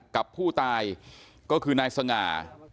กับผู้ตายก็คือนายสง่า